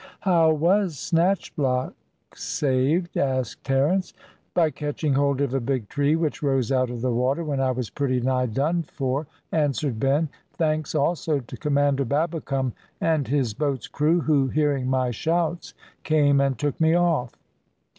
"How was Snatchblock saved?" asked Terence. "By catching hold of a big tree which rose out of the water when I was pretty nigh done for," answered Ben. "Thanks also to Commander Babbicome and his boat's crew, who hearing my shouts came and took me off."